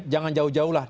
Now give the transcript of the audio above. jangan jauh jauh lah